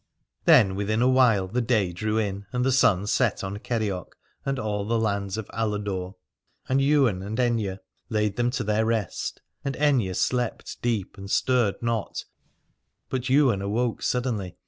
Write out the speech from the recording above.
Then within a while the day drew in and the sun set on Kerioc and on all the lands of Aladore. And Ywain and Aithne laid them to their rest : and Aithne slept deep and stirred not, but Ywain awoke suddenly.